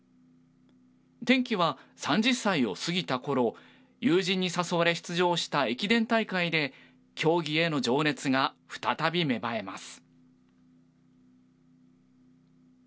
転機は３０歳を過ぎたころ、友人に誘われ出場した駅伝大会で競技への情熱が再び芽生えます。